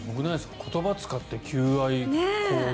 言葉を使って求愛行動。